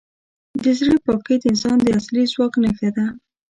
د زړه پاکي د انسان د اصلي ځواک نښه ده.